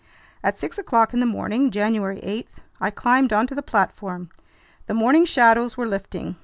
At six o'clock in the morning, January 8, I climbed onto the platform. The morning shadows were lifting.